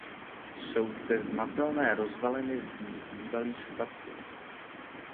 Jsou zde znatelné rozvaliny zdí bývalých statků.